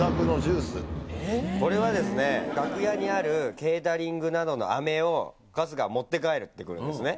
これはですね、楽屋にあるケータリングなどのあめを、春日は持って帰ってくるんですね。